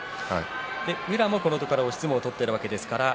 宇良もこのところ押し相撲取ってるわけです。